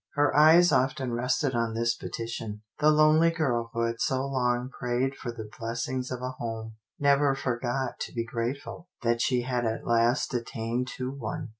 Her eyes often rested on this petition. The lonely girl who had so long prayed for the blessings of a home, never forgot to be grateful that she had at last attained to one.